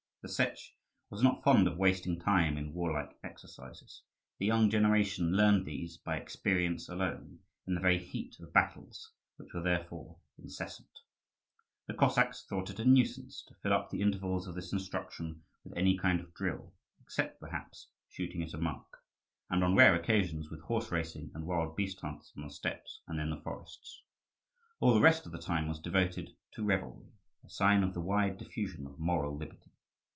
The Setch was not fond of wasting time in warlike exercises. The young generation learned these by experience alone, in the very heat of battles, which were therefore incessant. The Cossacks thought it a nuisance to fill up the intervals of this instruction with any kind of drill, except perhaps shooting at a mark, and on rare occasions with horse racing and wild beast hunts on the steppes and in the forests. All the rest of the time was devoted to revelry a sign of the wide diffusion of moral liberty.